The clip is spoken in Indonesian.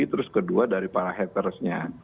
terus kedua dari para hatersnya